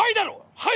『はい』」